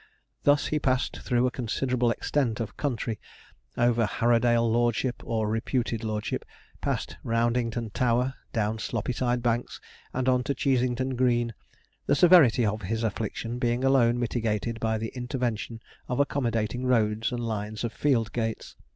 Thus he passed through a considerable extent of country, over Harrowdale Lordship, or reputed Lordship, past Roundington Tower, down Sloppyside Banks, and on to Cheeseington Green; the severity of his affliction being alone mitigated by the intervention of accommodating roads and lines of field gates.